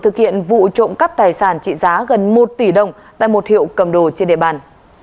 thực hiện vụ trộm cắp tài sản trị giá gần một tỷ đồng tại một hiệu cầm đồ trên địa bàn